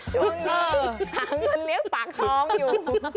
ช่วงนี้หาเงินเลี้ยงปากท้องอยู่